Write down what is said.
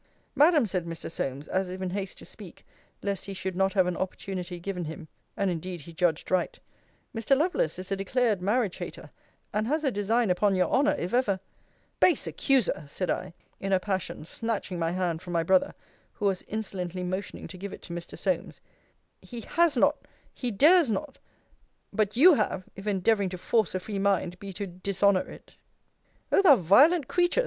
Madam, said Mr. Solmes, as if in haste to speak, lest he should not have an opportunity given him, [and indeed he judged right,] Mr. Lovelace is a declared marriage hater, and has a design upon your honour, if ever Base accuser! said I, in a passion, snatching my hand from my brother, who was insolently motioning to give it to Mr. Solmes; he has not! he dares not! But you have, if endeavouring to force a free mind be to dishonour it! O thou violent creature!